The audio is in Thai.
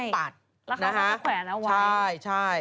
แล้วทางล่างมันจะแขวนเอาไว้ใช่